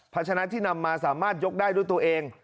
ชนะที่นำมาสามารถยกได้ด้วยตัวเอง